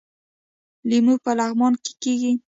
لیمو په لغمان کې کیږي